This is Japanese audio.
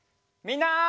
みんな！